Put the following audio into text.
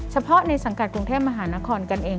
เฉพาะในสังกัดกรุงเทพมหานครกันเอง